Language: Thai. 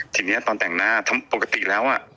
ทีนี้ตอนแต่งหน้าปกติแล้ว